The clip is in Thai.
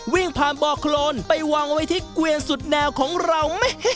วิ่งผ่านบ่อโครนไปวางไว้ที่เกวียนสุดแนวของเรา